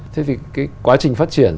thế thì cái quá trình phát triển